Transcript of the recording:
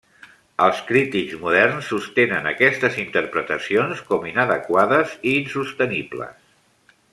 Els crítics moderns sostenen aquestes interpretacions com inadequades i insostenibles.